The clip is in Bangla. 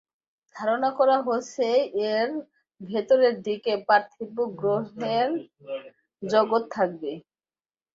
ধারণা করা হচ্ছে, এর ভেতরের দিকে পার্থিব গ্রহের জগৎ থাকবে।